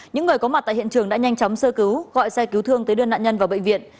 những người có mặt tại hiện trường đã nhanh chóng sơ cứu gọi xe cứu thương tới đưa nạn nhân vào bệnh viện